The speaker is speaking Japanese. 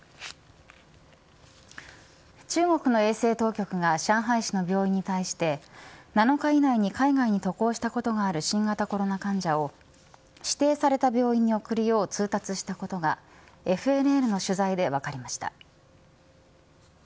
中国の衛生当局が上海市の病院に対して７日以内に海外に渡航したことがある新型コロナ患者を指定された病院に送るよう通達したことがＦＮＮの取材で分かりました。